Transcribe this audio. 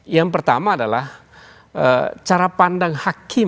yang pertama adalah cara pandang hakim